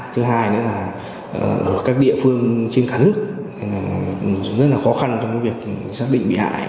thứ hai nữa là ở các địa phương trên cả nước rất là khó khăn trong việc xác định bị hại